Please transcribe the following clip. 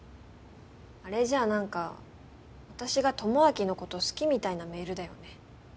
あれじゃなんか私が智明のこと好きみたいなメールだよね。